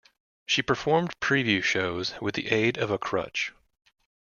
She performed preview shows with the aid of a crutch.